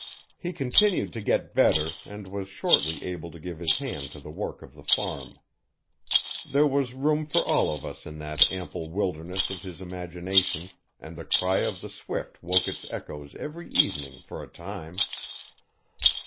He continued to get better, and was shortly able to give his hand to the work of the farm. There was room for all of us in that ample wilderness of his imagination, and the cry of the swift woke its echoes every evening for a time.